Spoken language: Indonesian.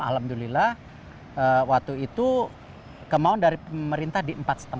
alhamdulillah waktu itu kemauan dari pemerintah di empat lima